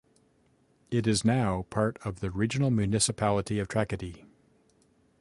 It is now part of the Regional Municipality of Tracadie.